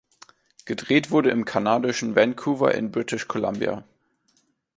Gedreht wurde im kanadischen Vancouver in British Columbia.